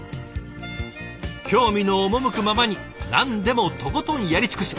興味の赴くままに何でもとことんやり尽くす。